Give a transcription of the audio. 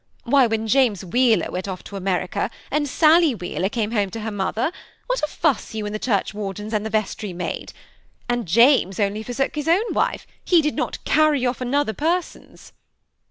Why, when James Wheeler went off to America, and Sally Wheeler came home to her mother, what a fiiss you and the churchwardens and the vestry made ! and James only forsook his own wife, he did not carry off another person's."